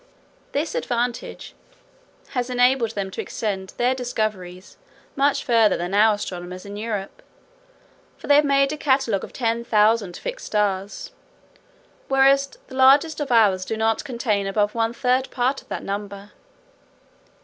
This advantage has enabled them to extend their discoveries much further than our astronomers in Europe; for they have made a catalogue of ten thousand fixed stars, whereas the largest of ours do not contain above one third part of that number.